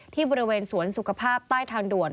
ที่บริเวณสวนสุขภาพใต้ทางด่วน